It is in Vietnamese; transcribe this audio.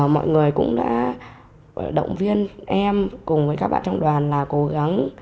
mọi người cũng đã động viên em cùng với các bạn trong đoàn là cố gắng